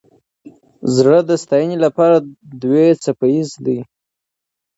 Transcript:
زړه د ستاینې لپاره دوه څپه ایز دی.